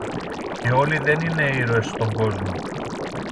Και όλοι δεν είναι ήρωες στον κόσμο.